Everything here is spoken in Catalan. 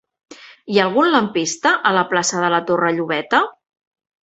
Hi ha algun lampista a la plaça de la Torre Llobeta?